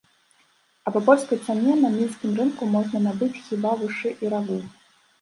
А па польскай цане на мінскім рынку можна набыць хіба вушы і рагу.